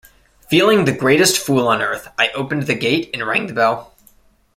Feeling the greatest fool on earth, I opened the gate and rang the bell.